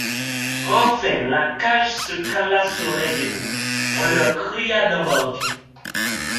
Enfin, la cage se cala sur les verrous, on leur cria d'embarquer.